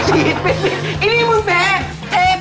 จี๊ดปลิกอีกทีมึงเผก